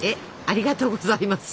ありがとうございます。